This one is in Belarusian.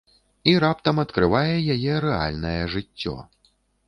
І раптам адкрывае яе рэальнае жыццё.